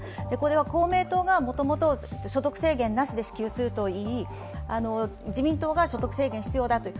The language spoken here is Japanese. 公明党がもともと所得制限なしで支給すると言い自民党が所得制限が必要だと。